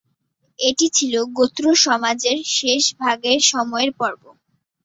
এটি ছিল গোত্র সমাজের শেষ ভাগের সময়ের পর্ব।